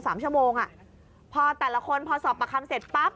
สามชั่วโมงอ่ะพอแต่ละคนพอสอบประคำเสร็จปั๊บ